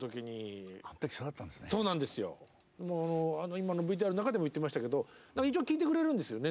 今のＶＴＲの中でも言っていましたけども一応聞いてくれるんですよね。